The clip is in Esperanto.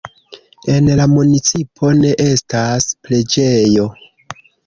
En la municipo ne estas preĝejo.